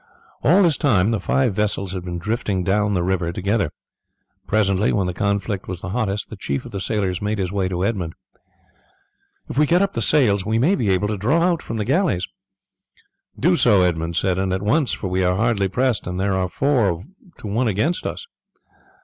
All this time the five vessels had been drifting down the river together. Presently, when the conflict was hottest, the chief of the sailors made his way to Edmund. "If we get up the sails we may be able to draw out from the galleys." "Do so," Edmund said, "and at once, for we are hardly pressed; they are four to one against us."